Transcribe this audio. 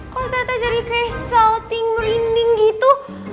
kok tata jadi kayak salting merinding gitu